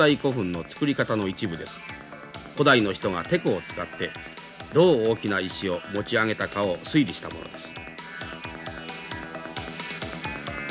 古代の人がテコを使ってどう大きな石を持ち上げたかを推理したものです。